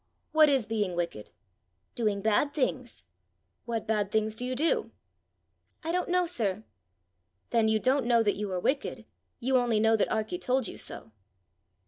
"What is being wicked?" "Doing bad things." "What bad things do you do?" "I don't know, sir." "Then you don't know that you are wicked; you only know that Arkie told you so!"